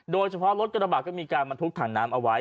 โดยเฉพาะรถกระบะก็มีการบรรทุกถังน้ำเอาไว้